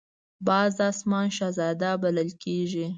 باز د آسمان شهزاده بلل کېږي